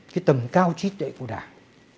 cái tầm cao trí tuệ của đảng